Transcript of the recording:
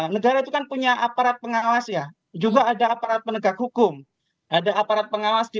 negara itu kan punya aparat pengawas ya juga ada aparat penegak hukum ada aparat pengawas di